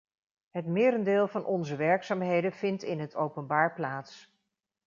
Het merendeel van onze werkzaamheden vindt in het openbaar plaats.